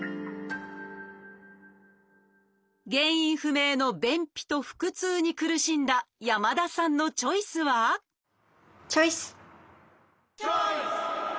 原因不明の便秘と腹痛に苦しんだ山田さんのチョイスはチョイス！